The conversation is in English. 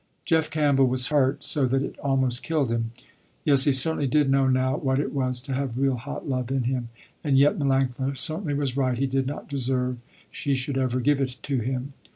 Jeff Campbell was hurt so that it almost killed him. Yes he certainly did know now what it was to have real hot love in him, and yet Melanctha certainly was right, he did not deserve she should ever give it to him.